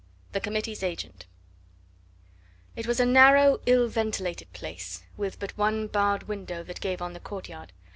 THE COMMITTEE'S AGENT It was a narrow, ill ventilated place, with but one barred window that gave on the courtyard.